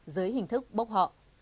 dưới hình thức bốc họ